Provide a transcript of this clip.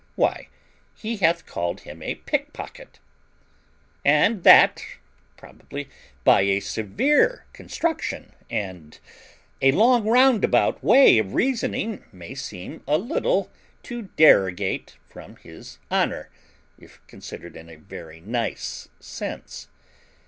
Why, he hath called him a pick pocket; and that, probably, by a severe construction and a long roundabout way of reasoning, may seem a little to derogate from his honour, if considered in a very nice sense.